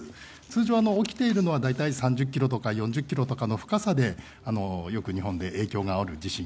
通常、起きているのは３０ｋｍとか４０ｋｍとかの深さでよく、日本で影響がある地震。